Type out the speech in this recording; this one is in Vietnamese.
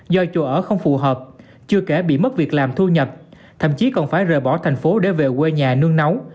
do chùa ở không phù hợp chưa kể bị mất việc làm thu nhập thậm chí còn phải rời bỏ thành phố để về quê nhà nương nấu